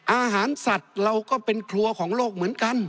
อาหารสัตว์เราก็เป็นครัวของโลกเหมือนกัน